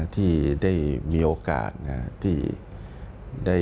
ที่ได้มีโอกาสที่